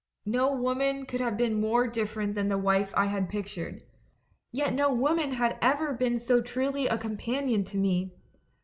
No woman could have been more different from the wife I had pictured. Yet no woman had ever been so truly a companion to me.